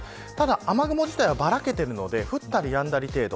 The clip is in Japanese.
雨雲自体がばらけているので降ったりやんだり程度。